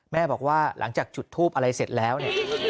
แม่บอกว่าหลังจากจุดทูปอะไรเสร็จแล้วเนี่ย